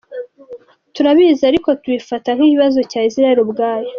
Turabizi ariko tubifata nk’ikibazo cya Israel ubwayo.